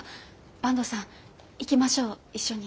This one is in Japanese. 坂東さん行きましょう一緒に。